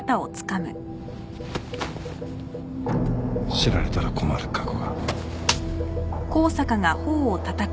知られたら困る過去が。